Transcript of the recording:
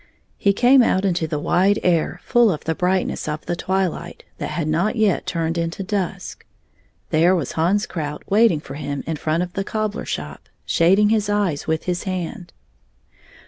He came out into the wide air fall of the brightness of the twilight that had not yet turned into dusk. There was Hans Krout waiting for him in front of the cobbler shop, shading his eyes with his hand.